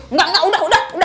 nggak nggak udah udah